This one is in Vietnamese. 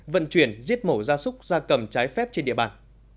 vận chuyển giết mổ gia súc gia cầm trái phép trên địa bàn